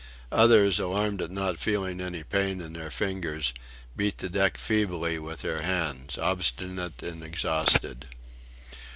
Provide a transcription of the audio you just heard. Others, alarmed at not feeling any pain in their fingers, beat the deck feebly with their hands obstinate and exhausted.